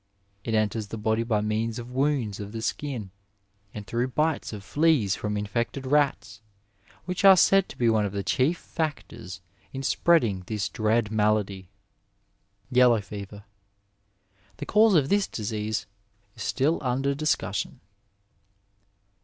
It enters the body by means of wounds of the skin, and through bites of fleas from infected rats, which are said to be one of the chief factors in spreading this dread malady. Yellow Fever. — ^The cause of this disease is still under discussion.